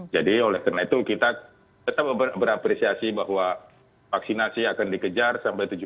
jadi oleh karena itu kita tetap berapresiasi bahwa vaksinasi akan dikejar sampai ke akhir